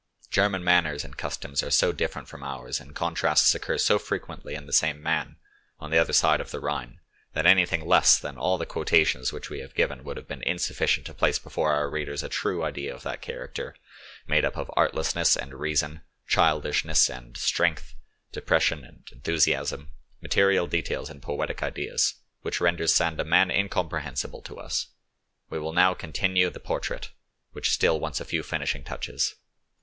German manners and customs are so different from ours, and contrasts occur so frequently in the same man, on the other side of the Rhine, that anything less than all the quotations which we have given would have been insufficient to place before our readers a true idea of that character made up of artlessness and reason, childishness and strength, depression and enthusiasm, material details and poetic ideas, which renders Sand a man incomprehensible to us. We will now continue the portrait, which still wants a few finishing touches.